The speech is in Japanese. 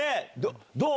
どう？